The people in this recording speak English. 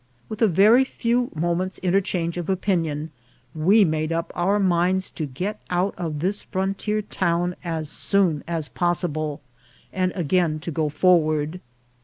With a very few moments' interchange of opinion, we made up our minds to get out of this frontier town as soon as possible, and again to go forward.